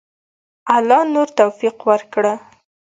الله نور توفیق ورکړه.